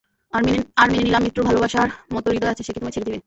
আর মেনে নিলাম মৃত্যুর ভালোবাসার মতো হৃদয় আছে, সে কি তোমায় ছেড়ে দিবে?